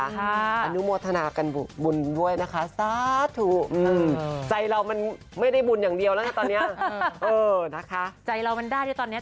อันนุมอธนาบุญด้วยนะคะใจเรามันไม่ได้บุญอย่างเดียวนะคะตอนนี้เออนะคะ